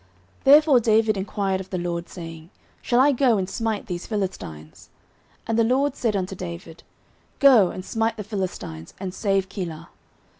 09:023:002 Therefore David enquired of the LORD, saying, Shall I go and smite these Philistines? And the LORD said unto David, Go, and smite the Philistines, and save Keilah.